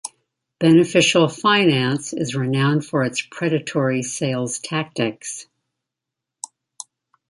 Beneficial Finance is renowned for its predatory sales tactics.